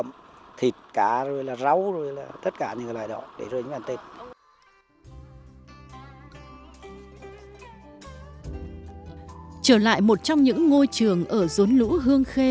một trong những ngôi trường ở dốn lũ hương khê